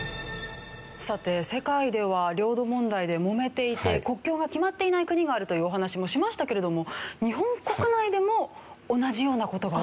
さて世界では領土問題でもめていて国境が決まっていない国があるというお話もしましたけれども日本全国でも同じような事が起きているんです。